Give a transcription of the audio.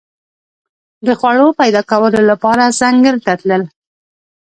د خوړو پیدا کولو لپاره ځنګل تلل.